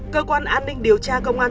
cơ quan an ninh điều tra công an